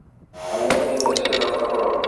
আমাদের দেশকে রক্ষা করো!